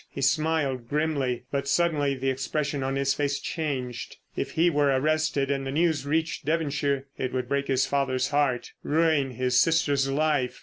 He smiled grimly. But suddenly the expression on his face changed. If he were arrested and the news reached Devonshire it would break his father's heart, ruin his sister's life.